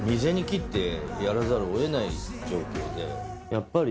やっぱり。